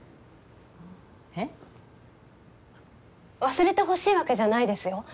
忘れてほしいわけじゃないですよ。